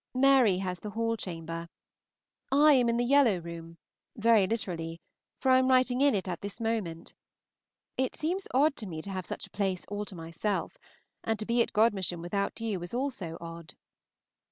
Mary has the Hall chamber. I am in the Yellow room very literally for I am writing in it at this moment. It seems odd to me to have such a great place all to myself, and to be at Godmersham without you is also odd.